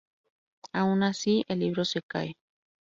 Aun así, el libro se cae.